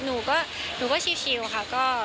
หนูก็ชิลค่ะ